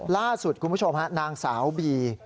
ล่าสุดคุณผู้ชมฮะนางสาวบี